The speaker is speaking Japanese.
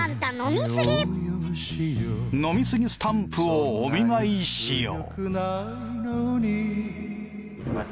飲みすぎスタンプをお見舞いしよう。